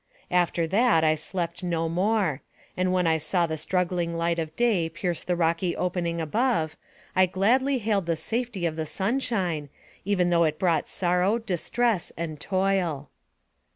After that I slept no more; and when I saw the struggling light of day pierce the rocky opening above, I gladly hailed the safety of the sunshine, even though it brought sorrow, distress, and toil.